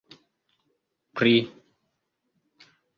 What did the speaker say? pri